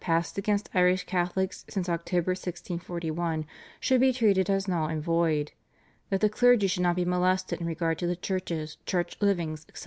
passed against Irish Catholics since October 1641 should be treated as null and void; that the clergy should not be molested in regard to the churches, church livings, etc.